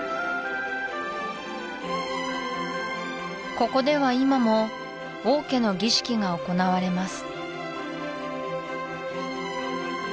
ここでは今も王家の儀式が行われます